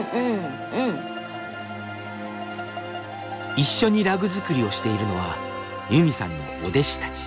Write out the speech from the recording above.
一緒にラグ作りをしているのはユミさんのお弟子たち。